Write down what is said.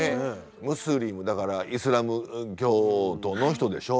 ムスリムだからイスラム教徒の人でしょ。